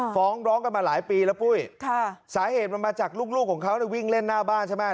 ฟ้องร้องกันมาหลายปีแล้วปุ้ยค่ะสาเหตุมันมาจากลูกของเขาเนี่ยวิ่งเล่นหน้าบ้านใช่ไหม